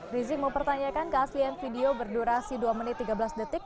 rizik mempertanyakan keaslian video berdurasi dua menit tiga belas detik